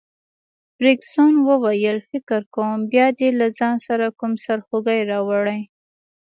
فرګوسن وویل: فکر کوم بیا دي له ځان سره کوم سرخوږی راوړی.